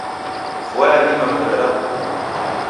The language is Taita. Vua yadima kureda kubuka .